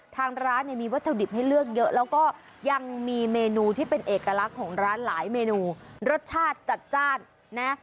ทางร้านเนี่ยมีวัตถุดิบให้เลือกเยอะแล้วก็ยังมีเมนูที่เป็นเอกลักษณ์ของร้านหลายเมนูรสชาติจัดจ้านนะ